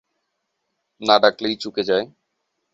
না ডাকলেই চুকে যায়।